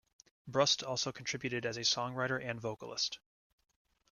Brust also contributed as a songwriter and vocalist.